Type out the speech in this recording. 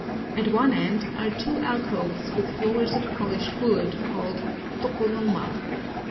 At one end are two alcoves with floors of polished wood, called tokonoma.